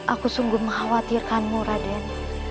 aku sungguh mengkhawatirkanmu raden